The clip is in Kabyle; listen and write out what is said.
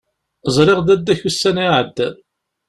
Ẓriɣ dadda-k ussan-a iεeddan.